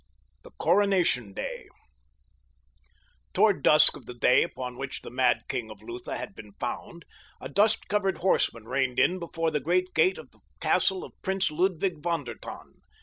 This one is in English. THE CORONATION DAY Toward dusk of the day upon which the mad king of Lutha had been found, a dust covered horseman reined in before the great gate of the castle of Prince Ludwig von der Tann.